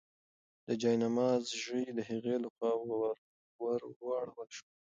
د جاینماز ژۍ د هغې لخوا ورواړول شوه.